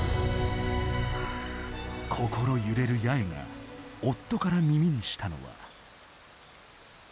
心揺れる八重が夫から耳にしたのは。